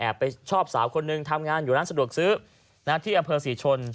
ไปชอบสาวคนหนึ่งทำงานอยู่ร้านสะดวกซื้อที่อำเภอศรีชน